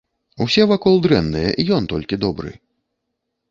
Усе вакол дрэнныя, ён толькі добры.